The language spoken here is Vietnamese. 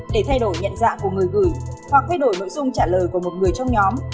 để thay đổi nhận dạng của người gửi hoặc thay đổi nội dung trả lời của một người trong nhóm